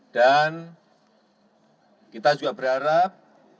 dan kita juga berharap